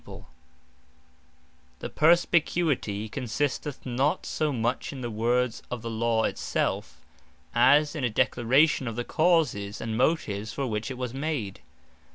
Such As Are Perspicuous The Perspicuity, consisteth not so much in the words of the Law it selfe, as in a Declaration of the Causes, and Motives, for which it was made.